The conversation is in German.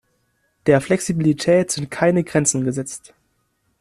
Der Flexibilität sind keine Grenzen gesetzt.